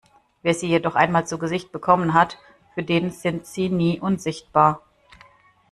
Wer sie jedoch einmal zu Gesicht bekommen hat, für den sind sie nie unsichtbar.